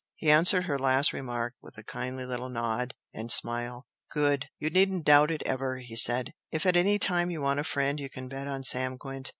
He answered her last remark with a kindly little nod and smile. "Good! You needn't doubt it ever!" he said "If at any time you want a friend you can bet on Sam Gwent.